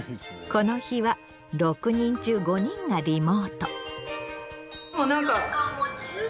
この日は６人中５人がリモート。